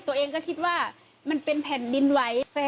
ตัวเองก็คิดว่ามันเป็นแผ่นดินไหว